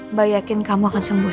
mbak yakin kamu akan sembuh